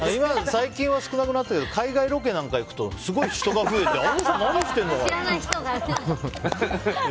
最近は少なくなったけど海外ロケなんか行くとすごい人が増えてあの人、何してるのかな？